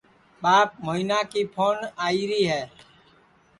ٻاپ موہینا کی پھون آئیرا ہے